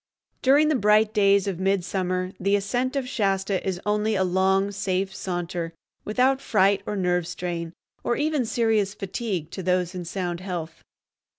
During the bright days of midsummer the ascent of Shasta is only a long, safe saunter, without fright or nerve strain, or even serious fatigue, to those in sound health.